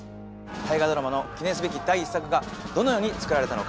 大河ドラマの記念すべき第１作がどのように作られたのか。